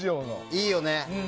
いいよね。